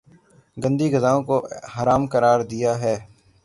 گندی غذاؤں کو حرام قراردیا ہے